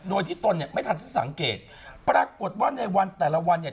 โดยที่ตนเนี่ยไม่ทันสังเกตปรากฏว่าในวันแต่ละวันเนี่ย